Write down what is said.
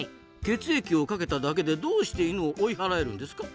血液をかけただけでどうしてイヌを追い払えるんですか？